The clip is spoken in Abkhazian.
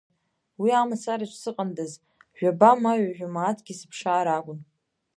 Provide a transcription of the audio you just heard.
Уи амацараҿ сыҟандаз, жәаба ма ҩажәа мааҭгьы сыԥшаар акәын.